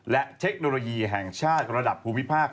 และเทคโนโลยีแห่งชาติระดับภูมิภาค